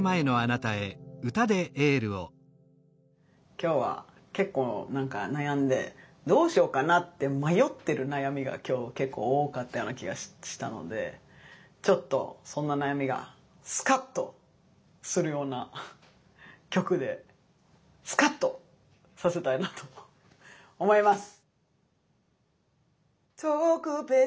今日は結構何か悩んでどうしようかなって迷ってる悩みが今日結構多かったような気がしたのでちょっとそんな悩みがスカッとするような曲でスカッとさせたいなと思います！